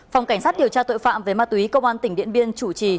phòng cảnh sát điều tra tội phạm về ma túy công an tỉnh điện biên chủ trì